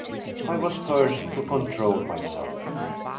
I was first to control myself.